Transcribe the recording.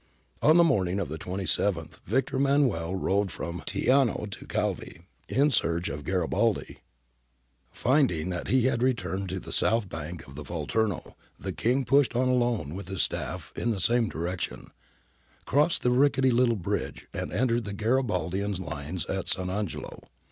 On the morning of the 27th Victor Em manuel rode from Teano to Calvi in search of Garibaldi f inding that he had returned to the south bank of the Volturno, the King pushed on alone with his staff in the same direction, crossed the rickety little bridge, and entered the Garibaldian lines at Sant' Angelo.